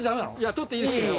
撮っていいですけど。